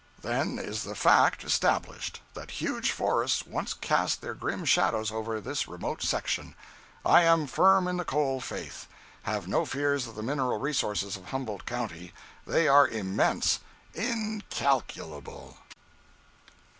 Then is the fact established that huge forests once cast their grim shadows over this remote section. I am firm in the coal faith. Have no fears of the mineral resources of Humboldt county. They are immense—incalculable.